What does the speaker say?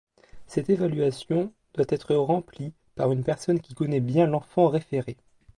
Cette évaluation doit être remplie par une personne qui connaît bien l'enfant référé.